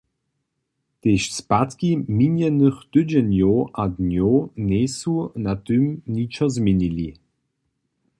Tež spadki minjenych tydźenjow a dnjow njejsu na tym ničo změnili.